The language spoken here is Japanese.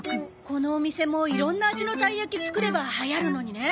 このお店もいろんな味のたいやき作ればはやるのにね。